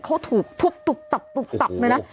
เขาถูกทุบตุบตับเลยนะ